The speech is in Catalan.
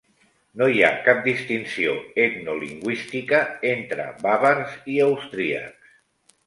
No hi ha cap distinció etnolingüística entre bàvars i austríacs.